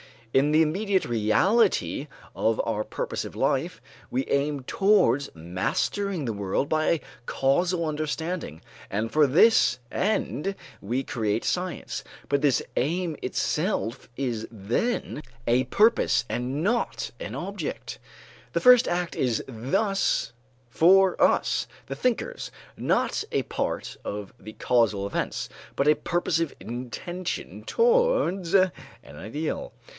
In the immediate reality of our purposive life we aim towards mastering the world by a causal understanding, and for this end we create science; but this aim itself is then a purpose and not an object. The first act is thus for us, the thinkers, not a part of the causal events, but a purposive intention towards an ideal.